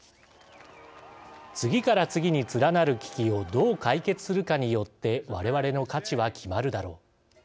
「次から次に連なる危機をどう解決するかによってわれわれの価値は決まるだろう」。